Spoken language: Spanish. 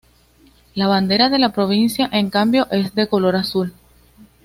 La bandera de la provincia en cambio es de color azul